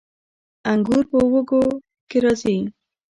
انګور په وږو کې راځي